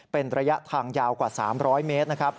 เป็นระยะทางยาวกว่า๓๐๐เมตรนะครับ